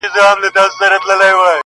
لاري لاري دي ختليقاسم یاره تر اسمانه,